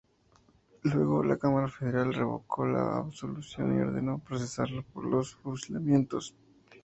Luego la Cámara Federal revocó la absolución y ordenó procesarlo por los fusilamientos.